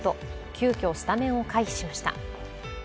急きょ、スタメンを回避しました。